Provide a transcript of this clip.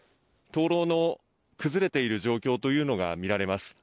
灯籠の崩れている状況というのが見られます。